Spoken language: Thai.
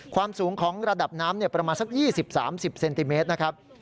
ความสูงของระดับน้ำประมาณสัก๒๐๓๐เซนติเมตรนะครับ